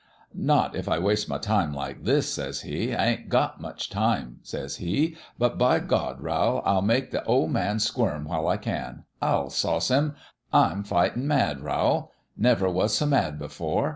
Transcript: "' Not if I waste my time like this,' says he. ' I ain't got much time,' says he ;' but by God ! Rowl, I'll make the OP Man squirm while I can. I'll sauce him ! I'm fightin' mad, Rowl. Never was so mad before.